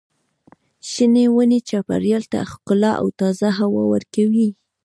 شنې ونې چاپېریال ته ښکلا او تازه هوا ورکوي.